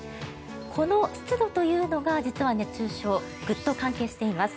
この湿度というのが実は熱中症グッと関係しています。